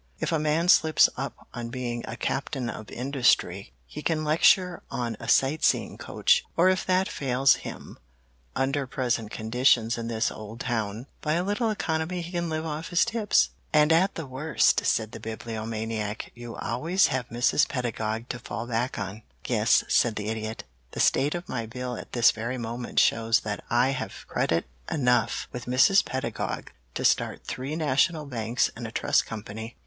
If a man slips up on being a Captain of Industry he can lecture on a sight seeing coach, or if that fails him under present conditions in this old town, by a little economy he can live on his tips." "And at the worst," said the Bibliomaniac, "you always have Mrs. Pedagog to fall back on." "Yes," said the Idiot. "The state of my bill at this very moment shows that I have credit enough with Mrs. Pedagog to start three national banks and a trust company.